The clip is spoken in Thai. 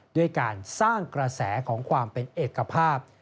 ด้วยการสร้างกระแสของความเป็นเอกภาพ